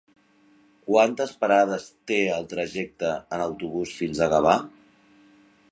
Quantes parades té el trajecte en autobús fins a Gavà?